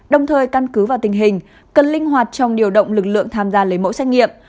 đồng thời căn cứ vào tình hình cần linh hoạt trong điều động lực lượng tham gia lấy mẫu xét nghiệm